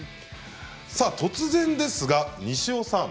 突然ですが西尾さん